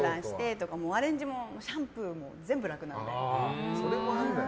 アレンジもシャンプーも全部楽なんで。